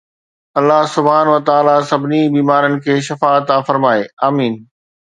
الله سبحانه وتعالي سڀني بيمارن کي شفا عطا فرمائي، آمين